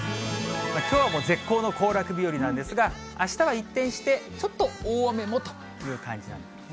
きょうはもう絶好の行楽日和なんですが、あしたは一転してちょっと大雨もという感じなんですね。